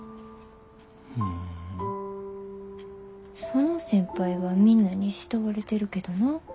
その先輩はみんなに慕われてるけどな。